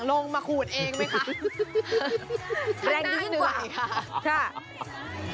กองเชียร์ข้างหลังลงมาขุดเองไหมคะ